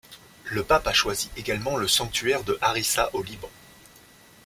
La pape a choisi également le sanctuaire de Harissa au Liban.